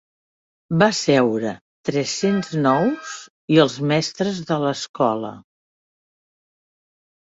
Va seure tres-cents nous i els mestres de l'escola.